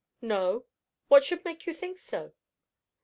"No; what should make you think so?"